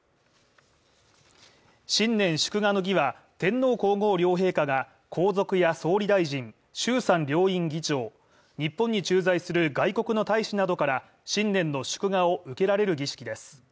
新年祝賀の儀は天皇皇后両陛下が皇族や総理大臣、衆参両院議長、日本に駐在する外国の大使などから新年の祝賀を受けられる儀式です。